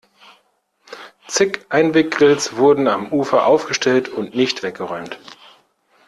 Zig Einweggrills wurden am Ufer aufgestellt und nicht weggeräumt.